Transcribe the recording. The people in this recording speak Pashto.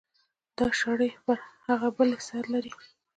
دا شړۍ پر هغې بلې سر لري.